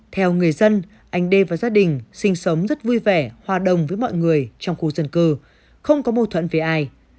theo người dân anh đê và gia đình sinh sống rất vui vẻ hòa đồng với mọi người trong khu dân cư không có mâu thuẫn về ai